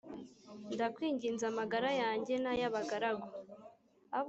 ndakwinginze amagara yanjye n ay abagaragu